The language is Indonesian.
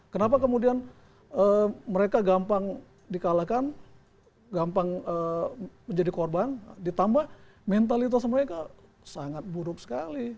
kenapa kemudian mereka gampang dikalahkan gampang menjadi korban ditambah mentalitas mereka sangat buruk sekali